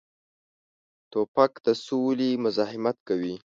توپک د سولې مزاحمت کوي.